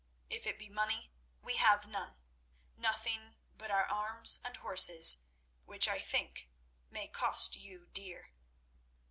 If it be money, we have none—nothing but our arms and horses, which I think may cost you dear."